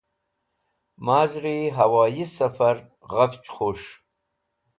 Maz̃hri Hawoyi Safar Ghafch Khus̃h